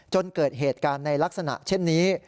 จนเกิดเหตุการณ์ในลักษณะเช่นนี้